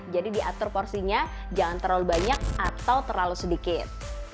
jadi diatur porsinya jangan terlalu banyak atau terlalu sedikit